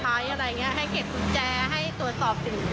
ให้เก็บกุญแจให้ตรวจสอบสิน